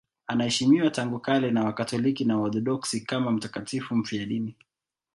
Anaheshimiwa tangu kale na Wakatoliki na Waorthodoksi kama mtakatifu mfiadini.